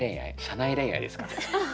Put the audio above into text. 社内恋愛ですかね。